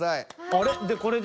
あれ？